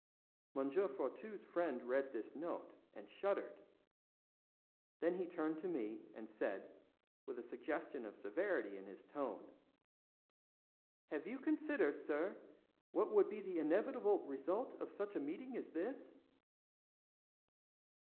M. Fourtou's friend read this note, and shuddered. Then he turned to me, and said, with a suggestion of severity in his tone: "Have you considered, sir, what would be the inevitable result of such a meeting as this?"